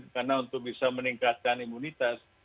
karena untuk bisa meningkatkan imunitas